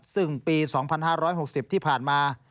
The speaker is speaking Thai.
ซึ่งปี๒๕๖๐ที่ผ่านมา